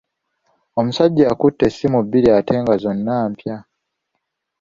Omusajja akutte essimu bbiri ate nga zonna mpya.